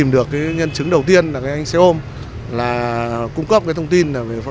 được cái nhân chứng đầu tiên là cái anh xe ôm là cung cấp cái thông tin